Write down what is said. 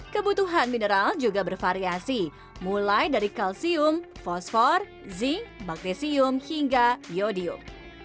kebutuhan mineral juga bervariasi mulai dari kalsium fosfor zinc magnesium hingga yodium